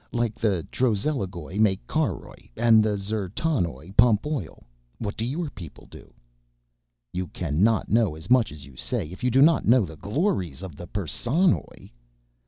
Like the Trozelligoj make caroj and the D'zertanoj pump oil. What do your people do?" "You cannot know as much as you say if you do not know of the glories of the Perssonoj!"